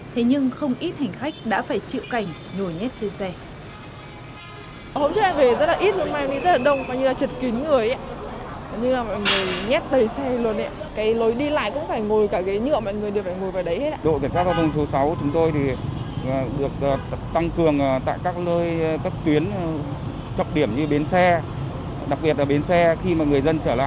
thế nhưng không ít hành khách đã phải chịu cảnh ngồi nhét trên xe